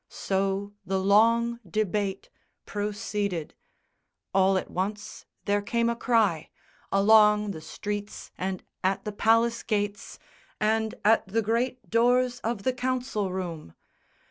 So the long debate Proceeded. All at once there came a cry Along the streets and at the palace gates And at the great doors of the Council room!